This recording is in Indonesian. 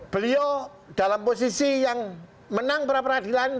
beliau dalam posisi yang menang peradilan